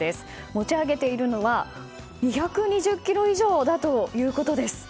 持ち上げているのは２２０ｋｇ以上だということです。